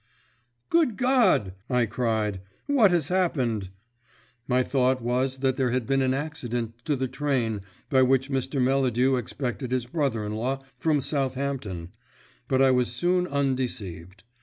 "Good God!" I cried. "What has happened?" My thought was that there had been an accident to the train by which Mr. Melladew expected his brother in law from Southampton, but I was soon undeceived.